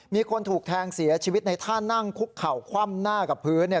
มีคนถูกแทงเสียชีวิตในท่านั่งคุกเข่าคว่ำหน้ากับพื้นเนี่ย